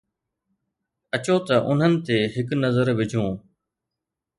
اچو ته انهن تي هڪ نظر وجهون.